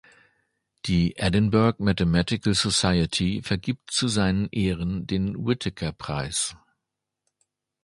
Die Edinburgh Mathematical Society vergibt zu seinen Ehren den Whittaker-Preis.